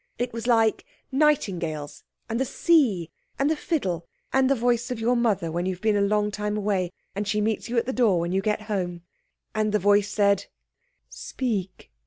It was like nightingales, and the sea, and the fiddle, and the voice of your mother when you have been a long time away, and she meets you at the door when you get home. And the voice said— "Speak.